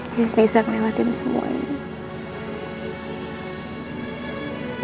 jus bisa melewati semua ini